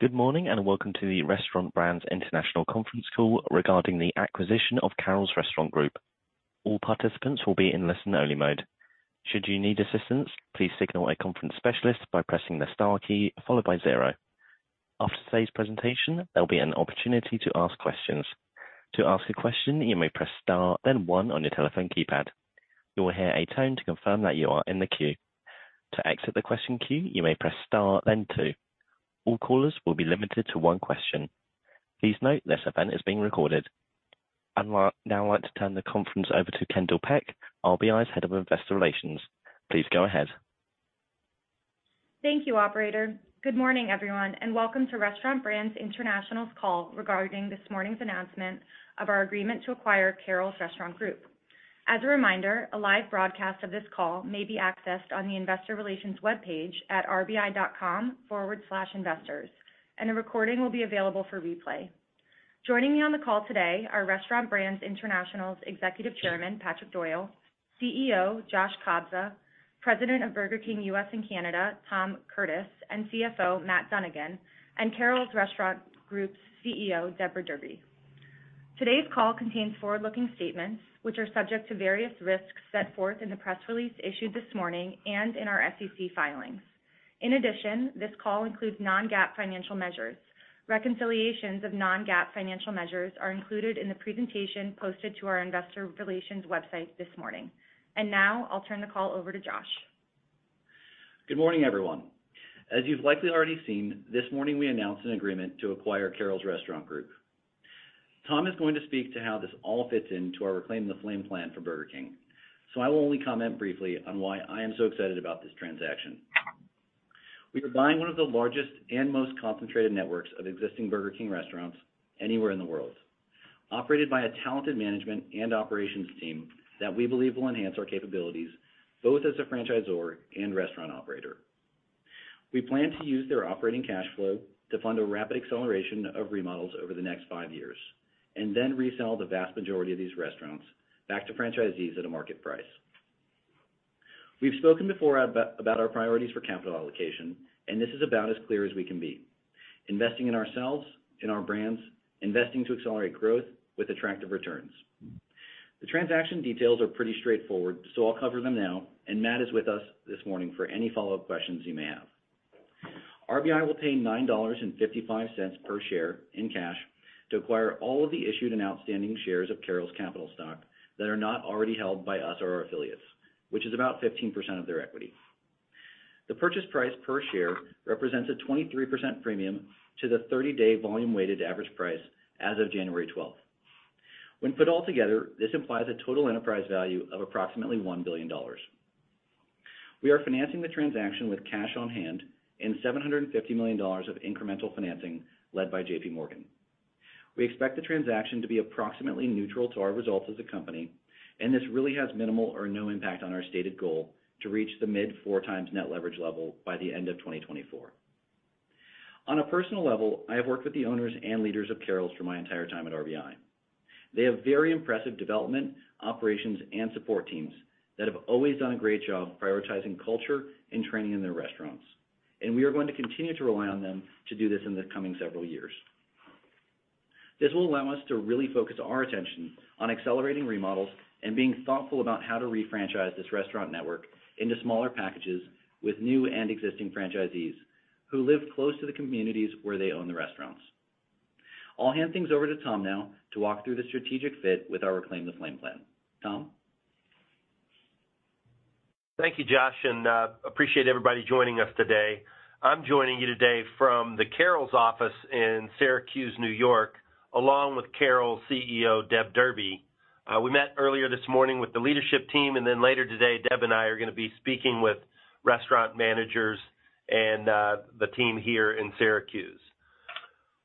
Good morning, and welcome to the Restaurant Brands International conference call regarding the acquisition of Carrols Restaurant Group. All participants will be in listen-only mode. Should you need assistance, please signal a conference specialist by pressing the star key followed by zero. After today's presentation, there'll be an opportunity to ask questions. To ask a question, you may press Star, then one on your telephone keypad. You will hear a tone to confirm that you are in the queue. To exit the question queue, you may press Star, then two. All callers will be limited to one question. Please note, this event is being recorded. I'd now like to turn the conference over to Kendall Peck, RBI's Head of Investor Relations. Please go ahead. Thank you, operator. Good morning, everyone, and welcome to Restaurant Brands International's call regarding this morning's announcement of our agreement to acquire Carrols Restaurant Group. As a reminder, a live broadcast of this call may be accessed on the Investor Relations webpage at rbi.com/investors, and a recording will be available for replay. Joining me on the call today are Restaurant Brands International's Executive Chairman, Patrick Doyle, CEO, Josh Kobza, President of Burger King U.S. and Canada, Tom Curtis, and CFO, Matt Dunnigan, and Carrols Restaurant Group's CEO, Deborah Derby. Today's call contains forward-looking statements, which are subject to various risks set forth in the press release issued this morning and in our SEC filings. In addition, this call includes non-GAAP financial measures. Reconciliations of non-GAAP financial measures are included in the presentation posted to our investor relations website this morning. Now I'll turn the call over to Josh. Good morning, everyone. As you've likely already seen, this morning, we announced an agreement to acquire Carrols Restaurant Group. Tom is going to speak to how this all fits into our Reclaim the Flame plan for Burger King, so I will only comment briefly on why I am so excited about this transaction. We are buying one of the largest and most concentrated networks of existing Burger King restaurants anywhere in the world, operated by a talented management and operations team that we believe will enhance our capabilities, both as a franchisor and restaurant operator. We plan to use their operating cash flow to fund a rapid acceleration of remodels over the next five years, and then resell the vast majority of these restaurants back to franchisees at a market price. We've spoken before about our priorities for capital allocation, and this is about as clear as we can be: investing in ourselves, in our brands, investing to accelerate growth with attractive returns. The transaction details are pretty straightforward, so I'll cover them now, and Matt is with us this morning for any follow-up questions you may have. RBI will pay $9.55 per share in cash to acquire all of the issued and outstanding shares of Carrols capital stock that are not already held by us or our affiliates, which is about 15% of their equity. The purchase price per share represents a 23% premium to the 30-day volume-weighted average price as of January 12. When put all together, this implies a total enterprise value of approximately $1 billion. We are financing the transaction with cash on hand and $750 million of incremental financing led by JPMorgan. We expect the transaction to be approximately neutral to our results as a company, and this really has minimal or no impact on our stated goal to reach the mid-4x net leverage level by the end of 2024. On a personal level, I have worked with the owners and leaders of Carrols for my entire time at RBI. They have very impressive development, operations, and support teams that have always done a great job prioritizing culture and training in their restaurants, and we are going to continue to rely on them to do this in the coming several years. This will allow us to really focus our attention on accelerating remodels and being thoughtful about how to refranchise this restaurant network into smaller packages with new and existing franchisees who live close to the communities where they own the restaurants. I'll hand things over to Tom now to walk through the strategic fit with our Reclaim the Flame plan. Tom? Thank you, Josh, and appreciate everybody joining us today. I'm joining you today from the Carrols office in Syracuse, New York, along with Carrols CEO, Deb Derby. We met earlier this morning with the leadership team, and then later today, Deb and I are gonna be speaking with restaurant managers and the team here in Syracuse.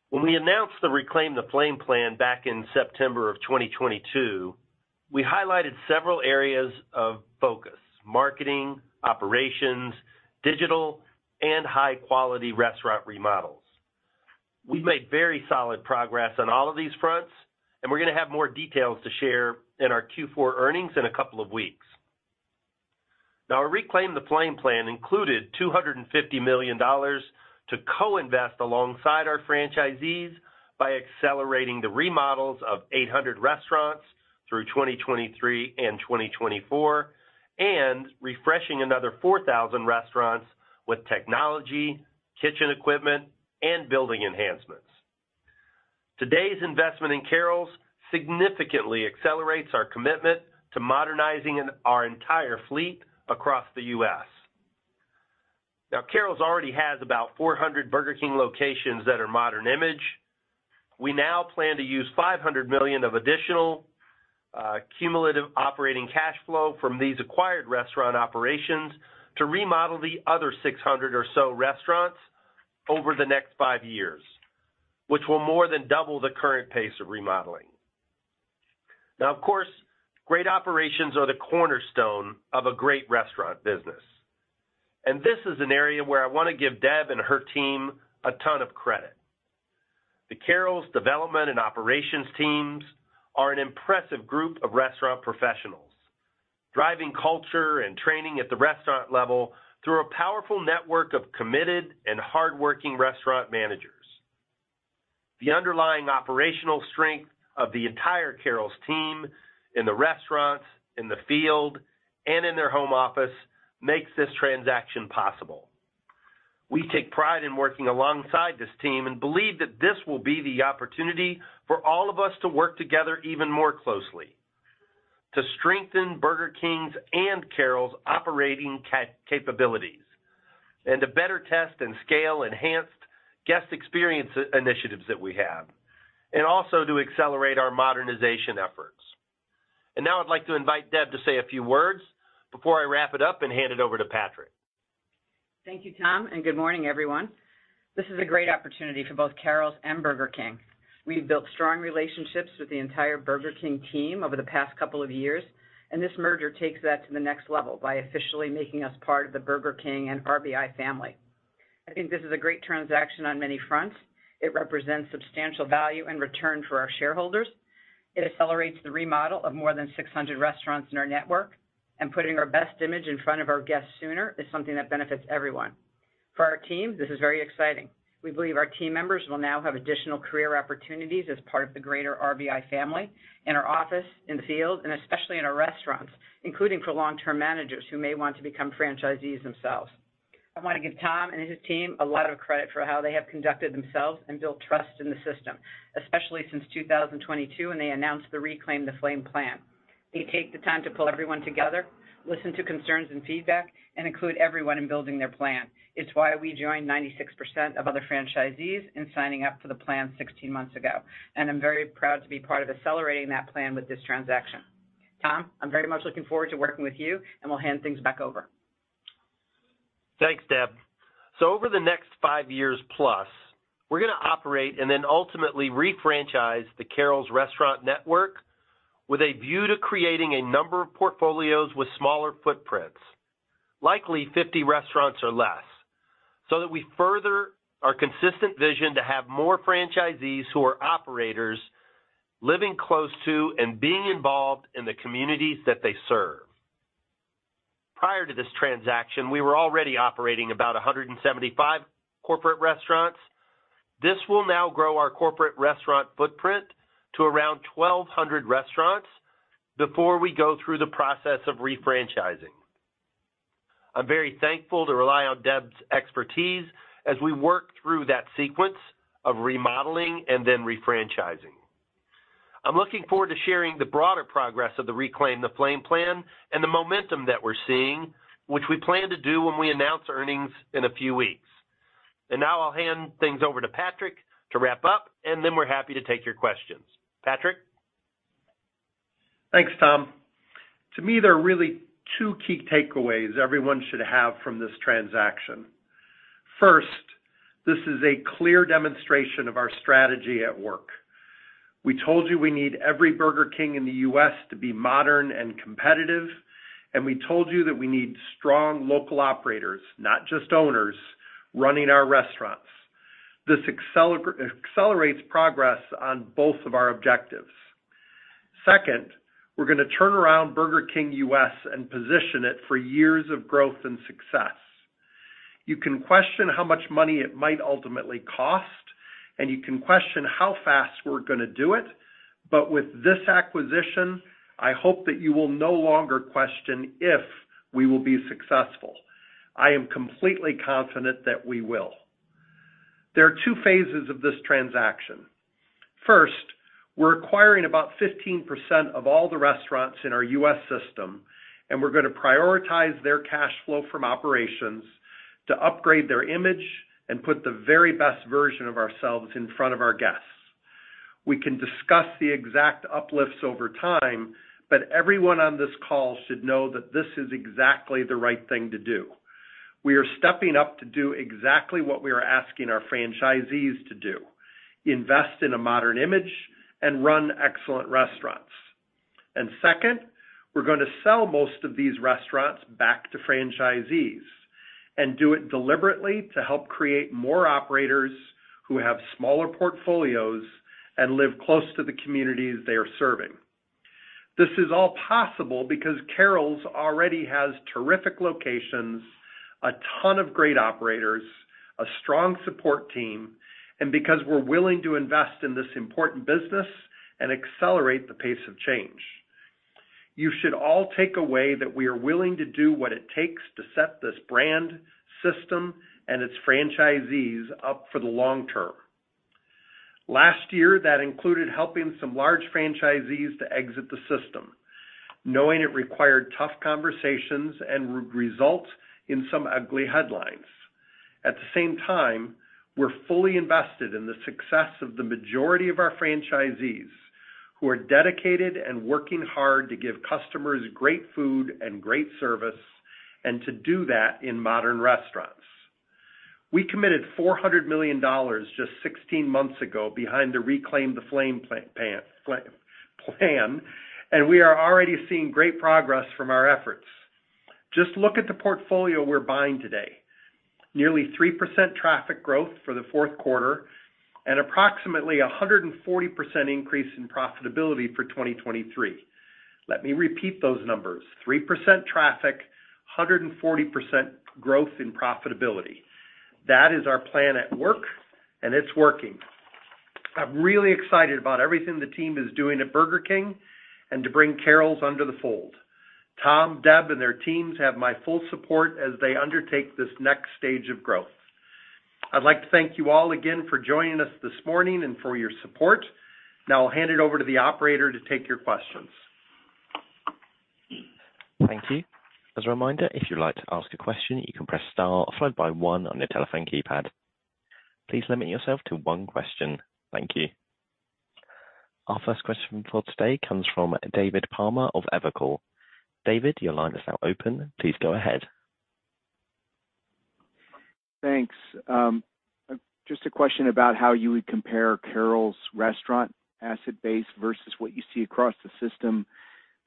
When we announced the Reclaim the Flame plan back in September of 2022, we highlighted several areas of focus, marketing, operations, digital, and high-quality restaurant remodels. We've made very solid progress on all of these fronts, and we're gonna have more details to share in our Q4 earnings in a couple of weeks. Now, our Reclaim the Flame plan included $250 million to co-invest alongside our franchisees by accelerating the remodels of 800 restaurants through 2023 and 2024, and refreshing another 4,000 restaurants with technology, kitchen equipment, and building enhancements. Today's investment in Carrols significantly accelerates our commitment to modernizing our entire fleet across the U.S. Now, Carrols already has about 400 Burger King locations that are Modern Image. We now plan to use $500 million of additional cumulative operating cash flow from these acquired restaurant operations to remodel the other 600 or so restaurants over the next five years, which will more than double the current pace of remodeling. Now, of course, great operations are the cornerstone of a great restaurant business, and this is an area where I wanna give Deb and her team a ton of credit.... The Carrols development and operations teams are an impressive group of restaurant professionals, driving culture and training at the restaurant level through a powerful network of committed and hardworking restaurant managers. The underlying operational strength of the entire Carrols team in the restaurants, in the field, and in their home office, makes this transaction possible. We take pride in working alongside this team and believe that this will be the opportunity for all of us to work together even more closely, to strengthen Burger King's and Carrols' operating capabilities, and to better test and scale enhanced guest experience initiatives that we have, and also to accelerate our modernization efforts. Now I'd like to invite Deb to say a few words before I wrap it up and hand it over to Patrick. Thank you, Tom, and good morning, everyone. This is a great opportunity for both Carrols and Burger King. We've built strong relationships with the entire Burger King team over the past couple of years, and this merger takes that to the next level by officially making us part of the Burger King and RBI family. I think this is a great transaction on many fronts. It represents substantial value and return for our shareholders. It accelerates the remodel of more than 600 restaurants in our network, and putting our best image in front of our guests sooner is something that benefits everyone. For our team, this is very exciting. We believe our team members will now have additional career opportunities as part of the greater RBI family, in our office, in the field, and especially in our restaurants, including for long-term managers who may want to become franchisees themselves. I want to give Tom and his team a lot of credit for how they have conducted themselves and built trust in the system, especially since 2022, when they announced the Reclaim the Flame plan. They take the time to pull everyone together, listen to concerns and feedback, and include everyone in building their plan. It's why we joined 96% of other franchisees in signing up for the plan 16 months ago, and I'm very proud to be part of accelerating that plan with this transaction. Tom, I'm very much looking forward to working with you, and we'll hand things back over. Thanks, Deb. So over the next five years plus, we're going to operate and then ultimately refranchise the Carrols restaurant network with a view to creating a number of portfolios with smaller footprints, likely 50 restaurants or less, so that we further our consistent vision to have more franchisees who are operators living close to and being involved in the communities that they serve. Prior to this transaction, we were already operating about 175 corporate restaurants. This will now grow our corporate restaurant footprint to around 1,200 restaurants before we go through the process of refranchising. I'm very thankful to rely on Deb's expertise as we work through that sequence of remodeling and then refranchising. I'm looking forward to sharing the broader progress of the Reclaim the Flame plan and the momentum that we're seeing, which we plan to do when we announce earnings in a few weeks. Now I'll hand things over to Patrick to wrap up, and then we're happy to take your questions. Patrick? Thanks, Tom. To me, there are really two key takeaways everyone should have from this transaction. First, this is a clear demonstration of our strategy at work. We told you we need every Burger King in the US to be modern and competitive, and we told you that we need strong local operators, not just owners, running our restaurants. This accelerates progress on both of our objectives. Second, we're going to turn around Burger King U.S. and position it for years of growth and success. You can question how much money it might ultimately cost, and you can question how fast we're going to do it, but with this acquisition, I hope that you will no longer question if we will be successful. I am completely confident that we will. There are two phases of this transaction. First, we're acquiring about 15% of all the restaurants in our US system, and we're going to prioritize their cash flow from operations to upgrade their image and put the very best version of ourselves in front of our guests. We can discuss the exact uplifts over time, but everyone on this call should know that this is exactly the right thing to do. We are stepping up to do exactly what we are asking our franchisees to do: invest in a modern image and run excellent restaurants. And second, we're going to sell most of these restaurants back to franchisees and do it deliberately to help create more operators who have smaller portfolios and live close to the communities they are serving. This is all possible because Carrols already has terrific locations, a ton of great operators, a strong support team, and because we're willing to invest in this important business and accelerate the pace of change. You should all take away that we are willing to do what it takes to set this brand, system, and its franchisees up for the long term. Last year, that included helping some large franchisees to exit the system, knowing it required tough conversations and would result in some ugly headlines. At the same time, we're fully invested in the success of the majority of our franchisees, who are dedicated and working hard to give customers great food and great service, and to do that in modern restaurants. We committed $400 million just 16 months ago behind the Reclaim the Flame plan—and we are already seeing great progress from our efforts.... Just look at the portfolio we're buying today. Nearly 3% traffic growth for the fourth quarter and approximately 140% increase in profitability for 2023. Let me repeat those numbers, 3% traffic, 140% growth in profitability. That is our plan at work, and it's working. I'm really excited about everything the team is doing at Burger King and to bring Carrols under the fold. Tom, Deb, and their teams have my full support as they undertake this next stage of growth. I'd like to thank you all again for joining us this morning and for your support. Now I'll hand it over to the operator to take your questions. Thank you. As a reminder, if you'd like to ask a question, you can press star followed by one on your telephone keypad. Please limit yourself to one question. Thank you. Our first question for today comes from David Palmer of Evercore. David, your line is now open. Please go ahead. Thanks. Just a question about how you would compare Carrols restaurant asset base versus what you see across the system.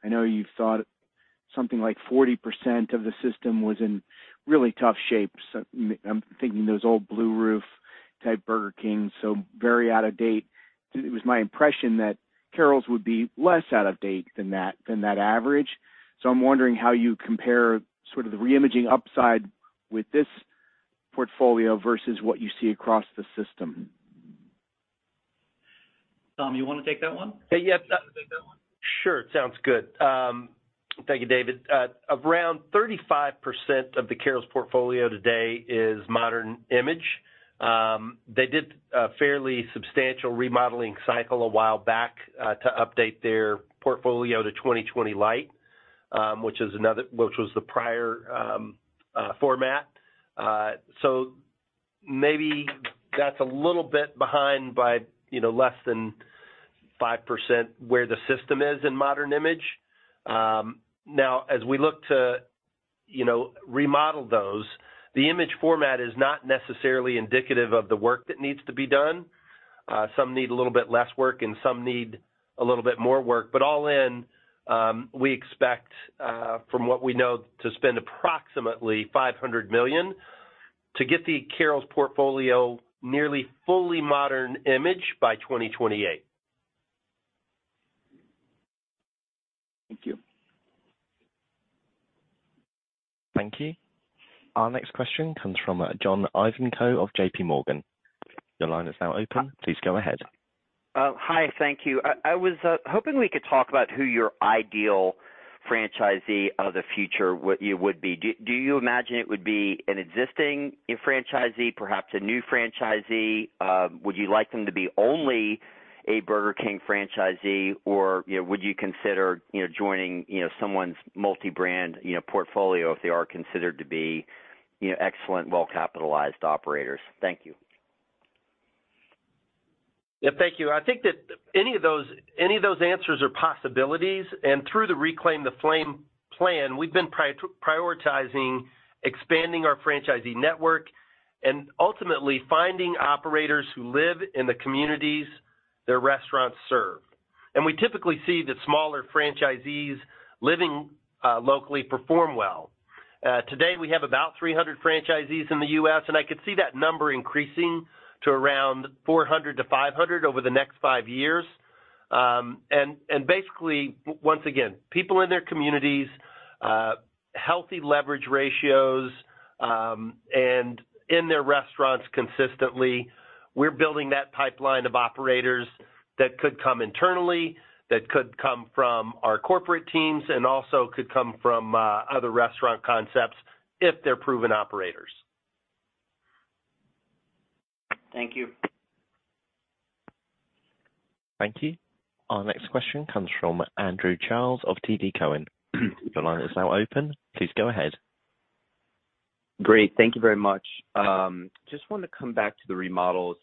I know you've thought something like 40% of the system was in really tough shape. So I'm thinking those old blue roof type Burger Kings, so very out of date. It was my impression that Carrols would be less out of date than that, than that average. So I'm wondering how you compare sort of the reimaging upside with this portfolio versus what you see across the system. Tom, you want to take that one? Yeah. Take that one. Sure. Sounds good. Thank you, David. Around 35% of the Carrols portfolio today is Modern Image. They did a fairly substantial remodeling cycle a while back to update their portfolio to 20/20 Light, which was the prior format. So maybe that's a little bit behind by, you know, less than 5% where the system is in Modern Image. Now, as we look to, you know, remodel those, the image format is not necessarily indicative of the work that needs to be done. Some need a little bit less work and some need a little bit more work, but all in, we expect, from what we know, to spend approximately $500 million to get the Carrols portfolio nearly fully Modern Image by 2028. Thank you. Thank you. Our next question comes from John Ivankoe of JPMorgan. Your line is now open. Please go ahead. Hi, thank you. I was hoping we could talk about who your ideal franchisee of the future would be. Do you imagine it would be an existing franchisee, perhaps a new franchisee? Would you like them to be only a Burger King franchisee, or, you know, would you consider, you know, joining, you know, someone's multi-brand, you know, portfolio, if they are considered to be, you know, excellent, well-capitalized operators? Thank you. Yeah, thank you. I think that any of those, any of those answers are possibilities, and through the Reclaim the Flame plan, we've been prioritizing expanding our franchisee network and ultimately finding operators who live in the communities their restaurants serve. We typically see that smaller franchisees living locally perform well. Today, we have about 300 franchisees in the U.S., and I could see that number increasing to around 400 to 500 over the next 5 years. Basically, once again, people in their communities, healthy leverage ratios, and in their restaurants consistently, we're building that pipeline of operators that could come internally, that could come from our corporate teams, and also could come from other restaurant concepts if they're proven operators. Thank you. Thank you. Our next question comes from Andrew Charles of TD Cowen. Your line is now open. Please go ahead. Great. Thank you very much. Just wanted to come back to the remodels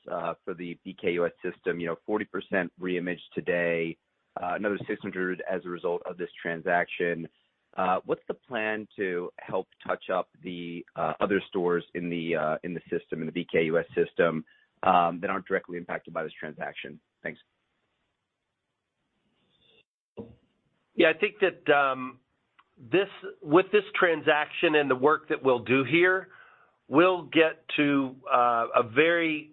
for the BKUS system. You know, 40% reimage today, another 600 as a result of this transaction. What's the plan to help touch up the other stores in the system, in the BKUS system, that aren't directly impacted by this transaction? Thanks. Yeah, I think that this with this transaction and the work that we'll do here, we'll get to a very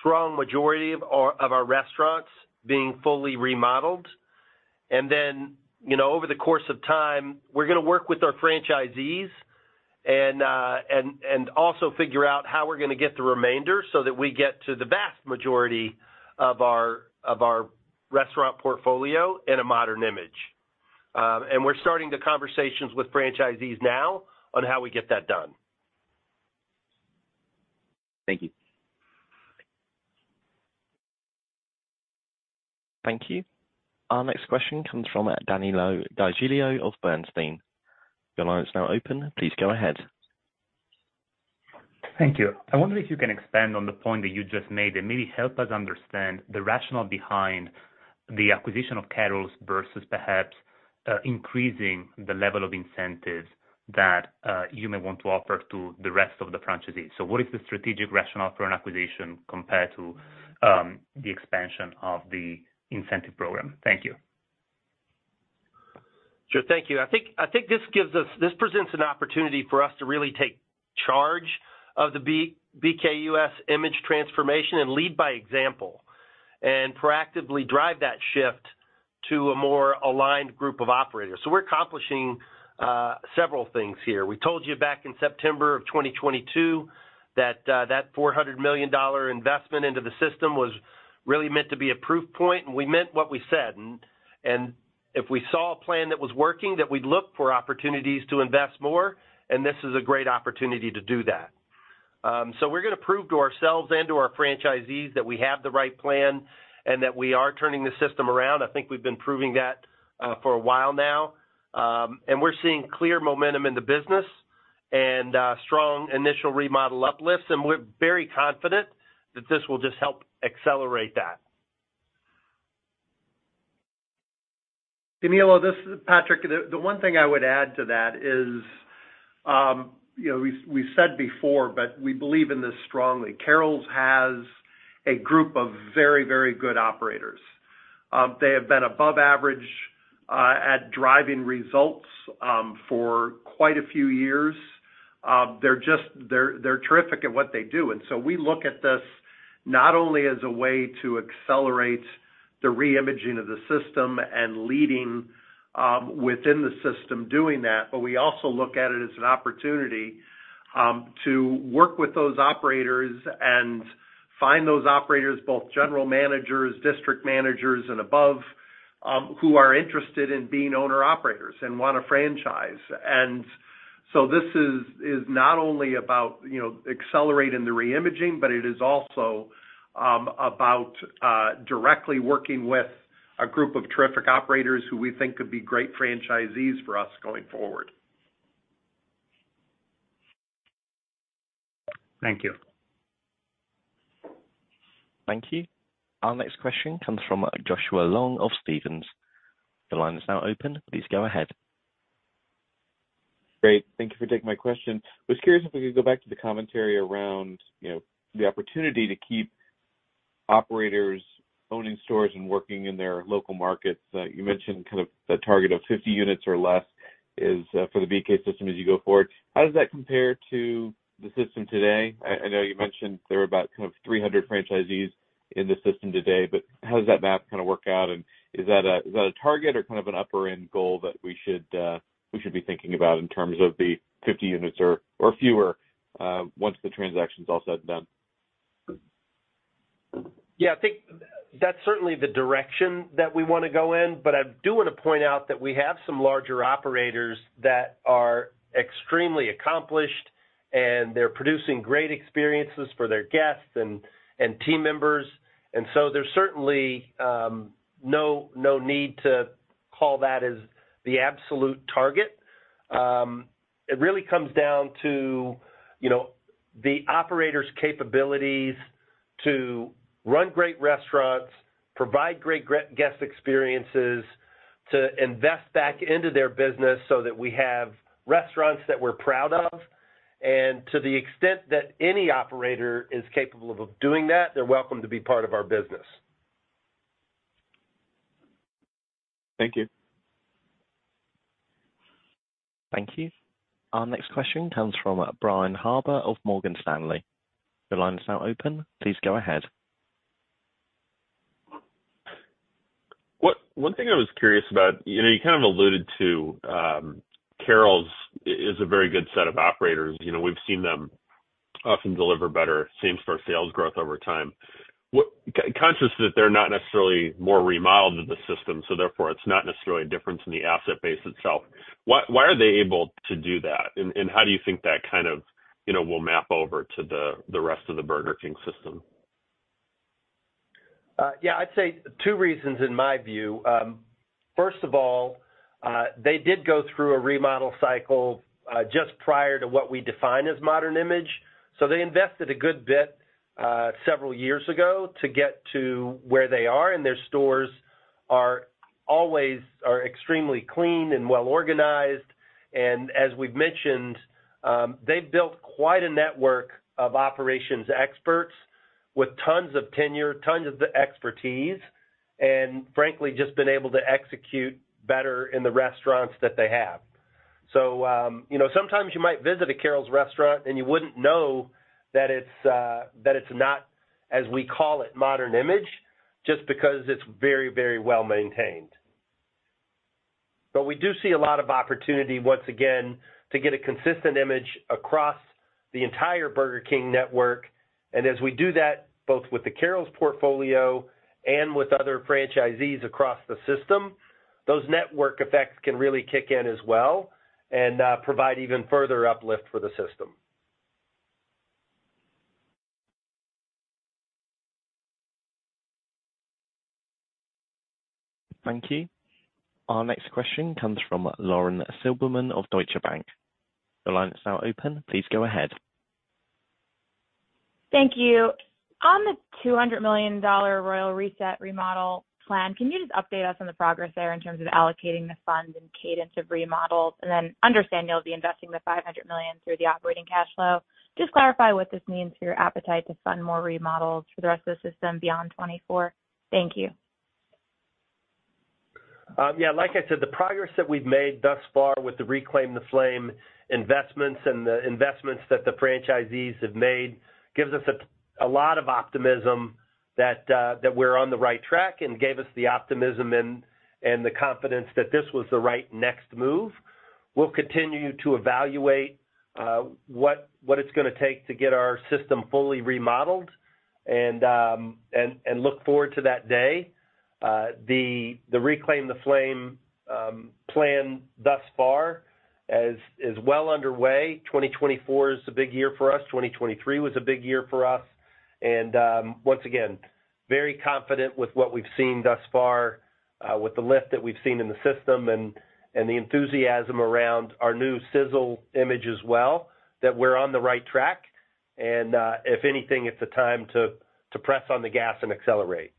strong majority of our restaurants being fully remodeled. And then, you know, over the course of time, we're gonna work with our franchisees and also figure out how we're gonna get the remainder so that we get to the vast majority of our restaurant portfolio in a Modern Image. And we're starting the conversations with franchisees now on how we get that done. Thank you. Thank you. Our next question comes from Danilo Gargiulo of Bernstein. Your line is now open. Please go ahead. Thank you. I wonder if you can expand on the point that you just made and maybe help us understand the rationale behind the acquisition of Carrols versus perhaps, increasing the level of incentives? That you may want to offer to the rest of the franchisees. So what is the strategic rationale for an acquisition compared to the expansion of the incentive program? Thank you. Sure. Thank you. I think this gives us, this presents an opportunity for us to really take charge of the BKUS image transformation and lead by example, and proactively drive that shift to a more aligned group of operators. So we're accomplishing several things here. We told you back in September of 2022, that that $400 million investment into the system was really meant to be a proof point, and we meant what we said. And if we saw a plan that was working, that we'd look for opportunities to invest more, and this is a great opportunity to do that. So we're going to prove to ourselves and to our franchisees that we have the right plan and that we are turning the system around. I think we've been proving that for a while now. We're seeing clear momentum in the business and strong initial remodel uplifts, and we're very confident that this will just help accelerate that. Danilo, this is Patrick. The one thing I would add to that is, you know, we've said before, but we believe in this strongly. Carrols has a group of very, very good operators. They have been above average at driving results for quite a few years. They're just. They're terrific at what they do. And so we look at this not only as a way to accelerate the reimaging of the system and leading within the system doing that, but we also look at it as an opportunity to work with those operators and find those operators, both general managers, district managers, and above, who are interested in being owner-operators and want to franchise. And so this is not only about, you know, accelerating the reimaging, but it is also about directly working with a group of terrific operators who we think could be great franchisees for us going forward. Thank you. Thank you. Our next question comes from Joshua Long of Stephens. The line is now open. Please go ahead. Great, thank you for taking my question. I was curious if we could go back to the commentary around, you know, the opportunity to keep operators owning stores and working in their local markets. You mentioned kind of a target of 50 units or less is for the BK system as you go forward. How does that compare to the system today? I know you mentioned there were about kind of 300 franchisees in the system today, but how does that math kind of work out? And is that a target or kind of an upper-end goal that we should be thinking about in terms of the 50 units or fewer once the transaction is all said and done? Yeah, I think that's certainly the direction that we want to go in, but I do want to point out that we have some larger operators that are extremely accomplished, and they're producing great experiences for their guests and team members. And so there's certainly no need to call that as the absolute target. It really comes down to, you know, the operator's capabilities to run great restaurants, provide great guest experiences, to invest back into their business so that we have restaurants that we're proud of. And to the extent that any operator is capable of doing that, they're welcome to be part of our business. Thank you. Thank you. Our next question comes from Brian Harbour of Morgan Stanley. Your line is now open. Please go ahead. One thing I was curious about, you know, you kind of alluded to, Carrols is a very good set of operators. You know, we've seen them often deliver better same-store sales growth over time. Conscious that they're not necessarily more remodeled than the system, so therefore, it's not necessarily a difference in the asset base itself. Why are they able to do that? And how do you think that kind of, you know, will map over to the rest of the Burger King system? Yeah, I'd say two reasons in my view. First of all, they did go through a remodel cycle, just prior to what we define as Modern Image. So they invested a good bit, several years ago to get to where they are, and their stores are always extremely clean and well-organized. And as we've mentioned, they've built quite a network of operations experts with tons of tenure, tons of the expertise, and frankly, just been able to execute better in the restaurants that they have. So, you know, sometimes you might visit a Carrols restaurant and you wouldn't know that it's not, as we call it, Modern Image, just because it's very, very well maintained. But we do see a lot of opportunity, once again, to get a consistent image across the entire Burger King network. As we do that, both with the Carrols portfolio and with other franchisees across the system, those network effects can really kick in as well and provide even further uplift for the system. Thank you. Our next question comes from Lauren Silberman of Deutsche Bank. Your line is now open. Please go ahead. Thank you. On the $200 million Royal Reset remodel plan, can you just update us on the progress there in terms of allocating the funds and cadence of remodels? And then understand you'll be investing the $500 million through the operating cash flow. Just clarify what this means for your appetite to fund more remodels for the rest of the system beyond 2024. Thank you. Yeah, like I said, the progress that we've made thus far with the Reclaim the Flame investments and the investments that the franchisees have made gives us a lot of optimism that we're on the right track and gave us the optimism and the confidence that this was the right next move. We'll continue to evaluate what it's gonna take to get our system fully remodeled and look forward to that day. The Reclaim the Flame plan thus far is well underway. 2024 is a big year for us. 2023 was a big year for us. Once again, very confident with what we've seen thus far, with the lift that we've seen in the system and the enthusiasm around our new Sizzle Image as well, that we're on the right track. If anything, it's a time to press on the gas and accelerate.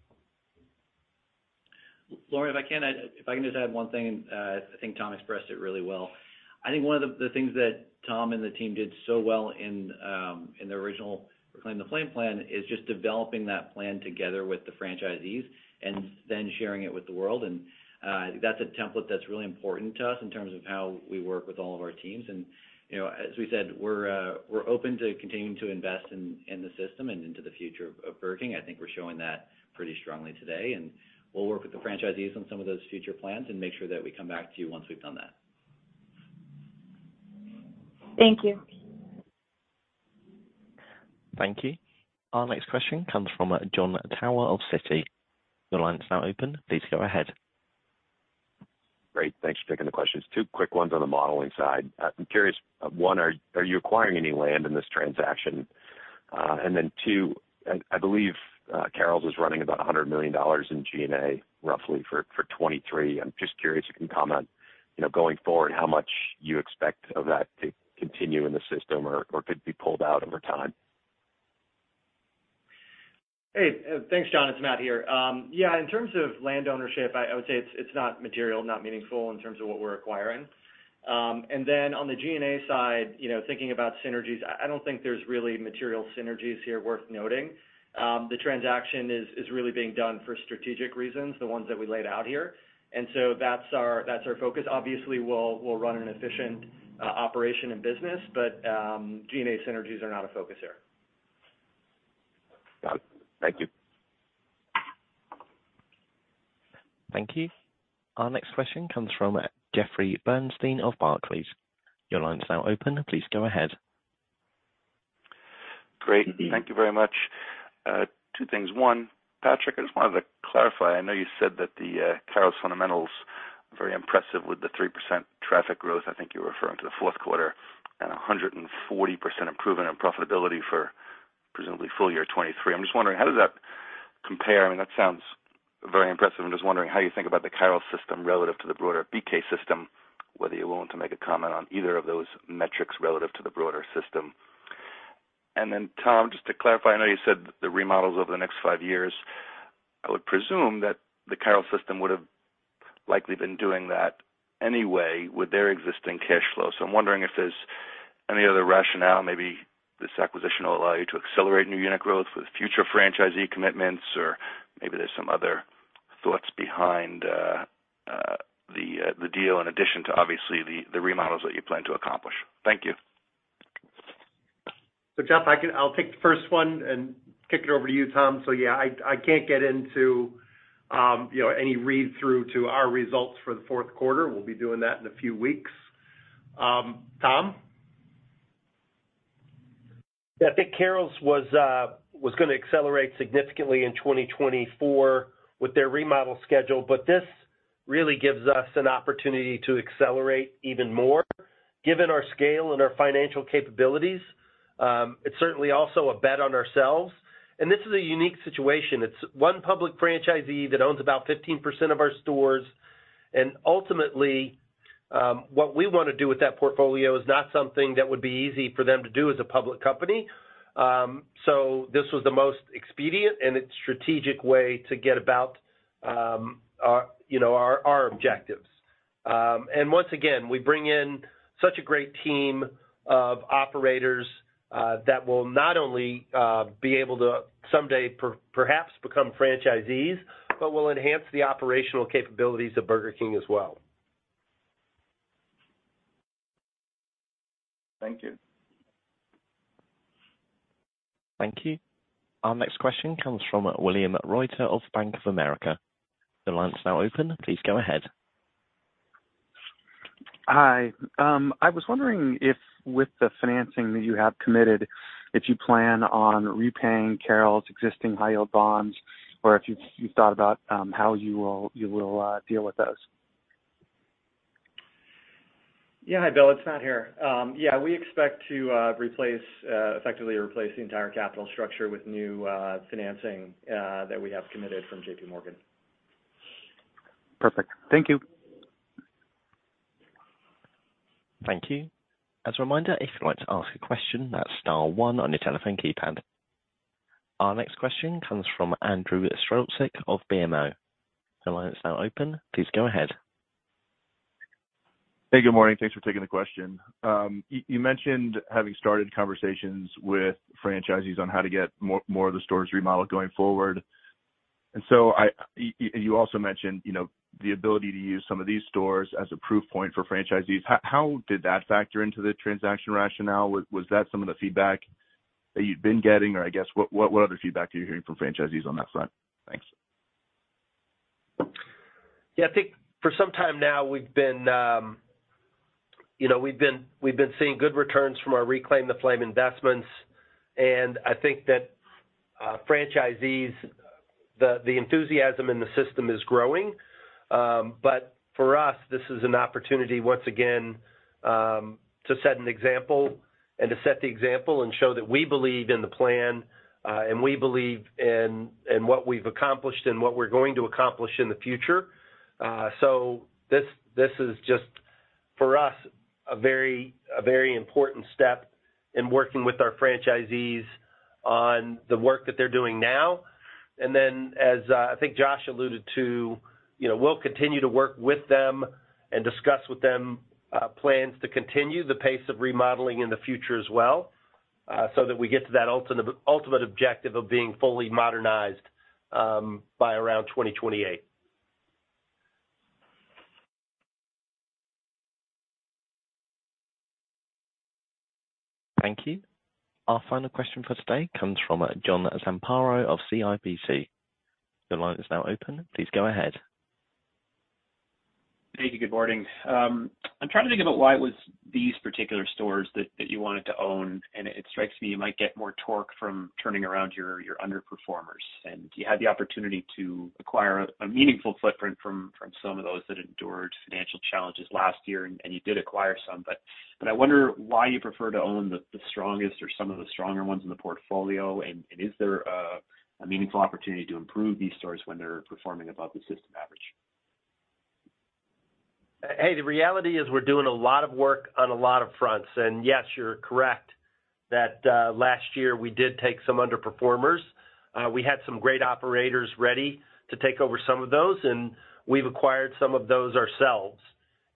Laurie, if I can, if I can just add one thing, I think Tom expressed it really well. I think one of the, the things that Tom and the team did so well in, in the original Reclaim the Flame plan, is just developing that plan together with the franchisees and then sharing it with the world. And, that's a template that's really important to us in terms of how we work with all of our teams. And, you know, as we said, we're, we're open to continuing to invest in, in the system and into the future of, of Burger King. I think we're showing that pretty strongly today, and we'll work with the franchisees on some of those future plans and make sure that we come back to you once we've done that. Thank you. Thank you. Our next question comes from Jon Tower of Citi. Your line is now open. Please go ahead. Great. Thanks for taking the questions. Two quick ones on the modeling side. I'm curious, one, are you acquiring any land in this transaction? And then two, I believe Carrols was running about $100 million in G&A, roughly, for 2023. I'm just curious if you can comment, you know, going forward, how much you expect of that to continue in the system or could be pulled out over time. Hey, thanks, Jon. It's Matt here. Yeah, in terms of landownership, I would say it's not material, not meaningful in terms of what we're acquiring. And then on the G&A side, you know, thinking about synergies, I don't think there's really material synergies here worth noting. The transaction is really being done for strategic reasons, the ones that we laid out here. So that's our focus. Obviously, we'll run an efficient operation and business, but G&A synergies are not a focus here. Got it. Thank you. Thank you. Our next question comes from Jeffrey Bernstein of Barclays. Your line is now open. Please go ahead. Great. Thank you very much. Two things. One, Patrick, I just wanted to clarify: I know you said that the Carrols fundamentals are very impressive with the 3% traffic growth. I think you were referring to the fourth quarter, and 140% improvement in profitability for presumably full year 2023. I'm just wondering, how does that compare? I mean, that sounds very impressive. I'm just wondering how you think about the Carrols system relative to the broader BK system, whether you're willing to make a comment on either of those metrics relative to the broader system. And then, Tom, just to clarify, I know you said the remodels over the next five years. I would presume that the Carrols system would have likely been doing that anyway with their existing cash flow. So I'm wondering if there's any other rationale, maybe this acquisition will allow you to accelerate new unit growth with future franchisee commitments, or maybe there's some other thoughts behind the deal, in addition to obviously the remodels that you plan to accomplish. Thank you. So, Jeff, I'll take the first one and kick it over to you, Tom. So yeah, I, I can't get into, you know, any read-through to our results for the fourth quarter. We'll be doing that in a few weeks. Tom? I think Carrols was gonna accelerate significantly in 2024 with their remodel schedule, but this really gives us an opportunity to accelerate even more, given our scale and our financial capabilities. It's certainly also a bet on ourselves. This is a unique situation. It's one public franchisee that owns about 15% of our stores, and ultimately, what we want to do with that portfolio is not something that would be easy for them to do as a public company. So this was the most expedient and a strategic way to get about, our, you know, our, our objectives. And once again, we bring in such a great team of operators that will not only be able to someday perhaps become franchisees, but will enhance the operational capabilities of Burger King as well. Thank you. Thank you. Our next question comes from William Reuter of Bank of America. The line is now open. Please go ahead. Hi. I was wondering if, with the financing that you have committed, if you plan on repaying Carrols existing high-yield bonds, or if you've thought about how you will deal with those? Yeah. Hi, Bill, it's Matt here. Yeah, we expect to effectively replace the entire capital structure with new financing that we have committed from JPMorgan. Perfect. Thank you. Thank you. As a reminder, if you'd like to ask a question, that's star one on your telephone keypad. Our next question comes from Andrew Strelzik of BMO. The line is now open. Please go ahead. Hey, good morning. Thanks for taking the question. You mentioned having started conversations with franchisees on how to get more, more of the stores remodeled going forward. And so I, you also mentioned, you know, the ability to use some of these stores as a proof point for franchisees. How did that factor into the transaction rationale? Was that some of the feedback that you'd been getting, or I guess, what other feedback are you hearing from franchisees on that front? Thanks. Yeah, I think for some time now, we've been, you know, seeing good returns from our Reclaim the Flame investments, and I think that franchisees, the enthusiasm in the system is growing. But for us, this is an opportunity once again, to set an example, and to set the example and show that we believe in the plan, and we believe in what we've accomplished and what we're going to accomplish in the future. So this is just, for us, a very important step in working with our franchisees on the work that they're doing now. As I think Josh alluded to, you know, we'll continue to work with them and discuss with them plans to continue the pace of remodeling in the future as well, so that we get to that ultimate objective of being fully modernized by around 2028. Thank you. Our final question for today comes from John Zamparo of CIBC. Your line is now open. Please go ahead. Thank you. Good morning. I'm trying to think about why it was these particular stores that you wanted to own, and it strikes me you might get more torque from turning around your underperformers. And you had the opportunity to acquire a meaningful footprint from some of those that endured financial challenges last year, and you did acquire some, but I wonder why you prefer to own the strongest or some of the stronger ones in the portfolio, and is there a meaningful opportunity to improve these stores when they're performing above the system average? Hey, the reality is we're doing a lot of work on a lot of fronts. And yes, you're correct that last year, we did take some underperformers. We had some great operators ready to take over some of those, and we've acquired some of those ourselves.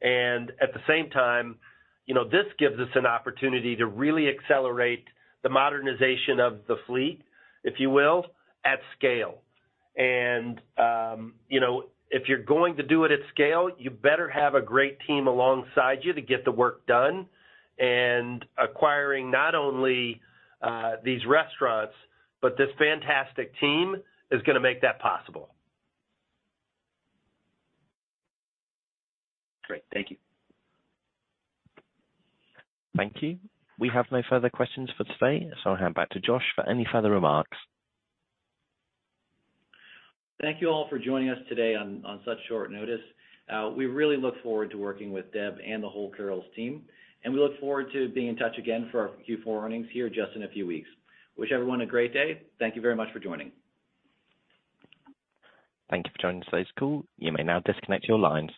And at the same time, you know, this gives us an opportunity to really accelerate the modernization of the fleet, if you will, at scale. And you know, if you're going to do it at scale, you better have a great team alongside you to get the work done. And acquiring not only these restaurants, but this fantastic team, is gonna make that possible. Great. Thank you. Thank you. We have no further questions for today, so I'll hand back to Josh for any further remarks. Thank you all for joining us today on such short notice. We really look forward to working with Deb and the whole Carrols team, and we look forward to being in touch again for our Q4 earnings here just in a few weeks. Wish everyone a great day. Thank you very much for joining. Thank you for joining today's call. You may now disconnect your lines.